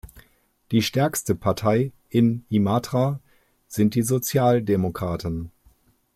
Die stärkste Partei in Imatra sind die Sozialdemokraten.